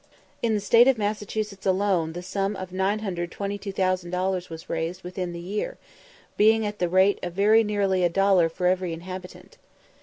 In the State of Massachusetts alone the sum of 921,532 dollars was raised within the year, being at the rate of very nearly a dollar for every inhabitant.